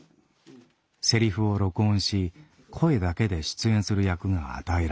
セリフを録音し声だけで出演する役が与えられた。